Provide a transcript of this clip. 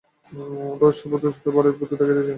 অথচ সবসুদ্ধ ভারি অদ্ভুত দেখাইতেছে।